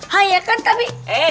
hai ya kan tapi